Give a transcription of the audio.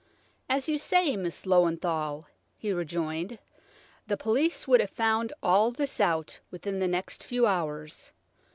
"As you say, Miss Löwenthal," he rejoined, "the police would have found all this out within the next few hours.